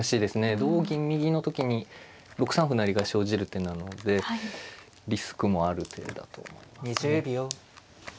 同銀右の時に６三歩成が生じる手なのでリスクもある手だと思いますね。